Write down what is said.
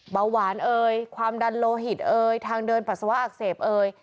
เบาหวานเอ่ยความดันโลหิตเอ่ยทางเดินปัสสาวะอักเสบเอ่ย